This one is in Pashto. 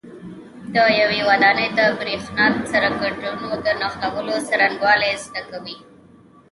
د یوې ودانۍ د برېښنا سرکټونو د نښلولو څرنګوالي زده کوئ.